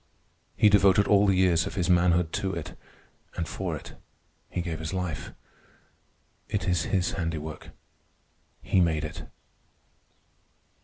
He devoted all the years of his manhood to it, and for it he gave his life. It is his handiwork. He made it.